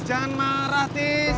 jangan marah des